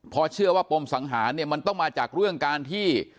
เพราะเชื่อว่าปมสังหารเนี่ยมันต้องมาจากเรื่องการที่